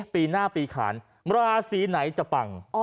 ไปหน้าปีขาลหมัราศีไหนจะปั่ง